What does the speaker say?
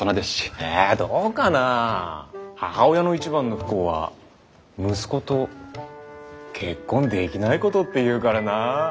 母親の一番の不幸は息子と結婚できないことって言うからな。